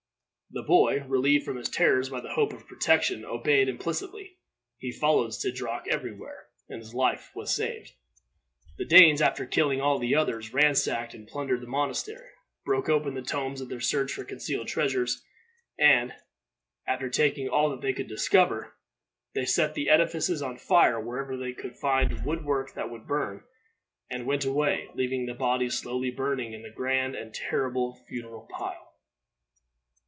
The boy, relieved from his terrors by this hope of protection, obeyed implicitly. He followed Sidroc every where, and his life was saved. The Danes, after killing all the others, ransacked and plundered the monastery, broke open the tombs in their search for concealed treasures, and, after taking all that they could discover, they set the edifices on fire wherever they could find wood work that would burn, and went away, leaving the bodies slowly burning in the grand and terrible funeral pile.